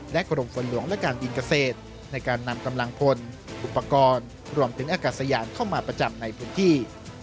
กรมฝนหลวงและการบินเกษตรในการนำกำลังพลอุปกรณ์รวมถึงอากาศยานเข้ามาประจำในพื้นที่